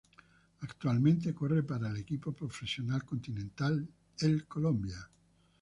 Actualmente corre para el equipo profesional continental el Colombia.